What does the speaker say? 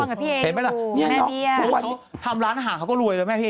เห็นไหมล่ะนี่น้องทุกวันทำร้านอาหารเขาก็รวยเลยแม่พี่เอง